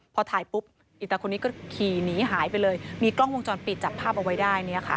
พอถ่ายปุ๊บอิตาคนนี้ก็ขี่หนีหายไปเลยมีกล้องวงจรปิดจับภาพเอาไว้ได้เนี่ยค่ะ